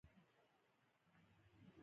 د سالنګ لویه لاره تړل کېږي.